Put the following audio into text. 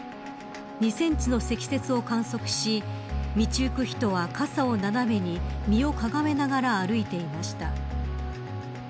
２センチの積雪を観測し道行く人は傘を斜めに身をかがめながら歩いていました。